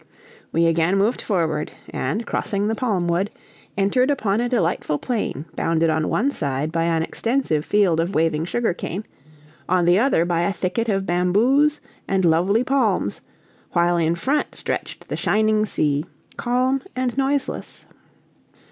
We again moved forward; and, crossing the palm wood, entered upon a delightful plain bounded on one side by an extensive field of waving sugar cane, on the other by a thicket of bamboos and lovely palms, while in front stretched the shining sea, calm and noiseless.